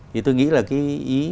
thì tôi nghĩ là cái ý